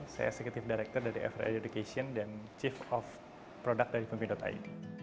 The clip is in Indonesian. saya eksekutif direktur dari everidea education dan chief of product dari pemimpin ai